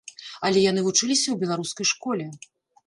Але яны вучыліся ў беларускай школе.